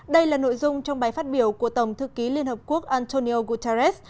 đây là nội dung trong bài phát biểu của tổng thư ký liên hợp quốc antonio guterres